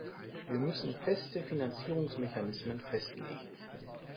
Wir müssen feste Finanzierungsmechanismen festlegen.